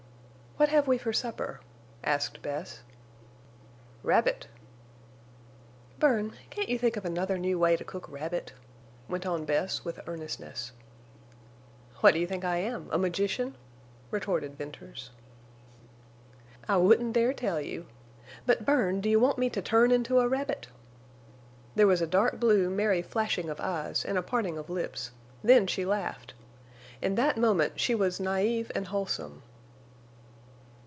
"What have we for supper?" asked Bess. "Rabbit." "Bern, can't you think of another new way to cook rabbit?" went on Bess, with earnestness. "What do you think I am—a magician?" retorted Venters. "I wouldn't dare tell you. But, Bern, do you want me to turn into a rabbit?" There was a dark blue, merry flashing of eyes and a parting of lips; then she laughed. In that moment she was naive and wholesome.